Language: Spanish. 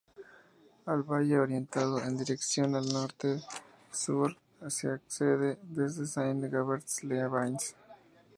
Al valle, orientado en dirección norte-sur, se accede desde Saint-Gervais-les-Bains.